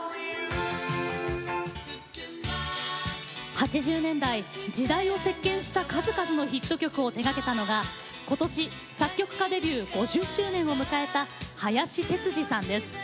８０年代、時代を席けんした数々のヒット曲を手がけたのが今年、作曲家デビュー５０周年を迎えた林哲司さんです。